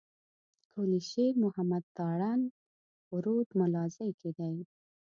کلي شېر محمد تارڼ په رود ملازۍ کي دی.